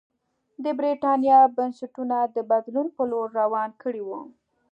د برېټانیا بنسټونه د بدلون په لور روان کړي وو.